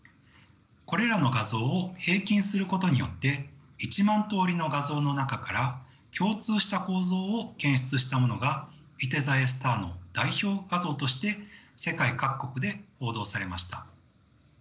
これらの画像を平均することによって１万通りの画像の中から共通した構造を検出したものがいて座Ａスターの代表画像として世界各国で報道されました。